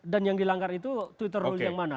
dan yang dilanggar itu twitter rules yang mana